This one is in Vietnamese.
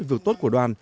vượt tốt của đoàn